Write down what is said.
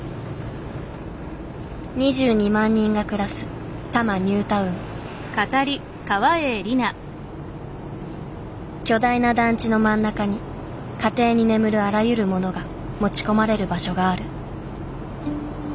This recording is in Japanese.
２２万人が暮らす巨大な団地の真ん中に家庭に眠るあらゆる物が持ち込まれる場所がある。